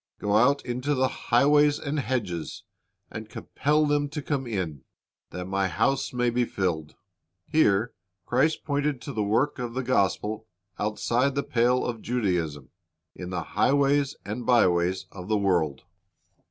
Go out into the highways and hedges, and compel them to come in, that my house may be filled." Here Christ pointed to the work of the gospel outside the pale of Judaism, in the highways and byways of the world.